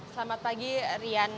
selamat pagi rian